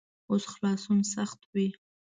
اوس خلاصون سخت وي.